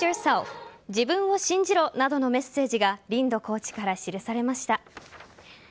自分を信じろなどのメッセージがリンドコーチから記されました。